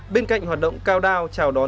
bên cạnh hoạt động cao đao